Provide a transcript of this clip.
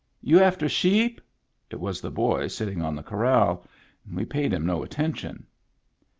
" You after sheep? " It was the boy sitting on the corral. We paid him no attention.